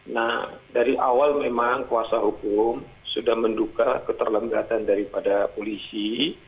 nah dari awal memang kuasa hukum sudah menduka keterlenggatan daripada polisi